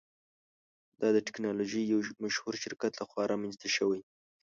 دا د ټیکنالوژۍ یو مشهور شرکت لخوا رامینځته شوی.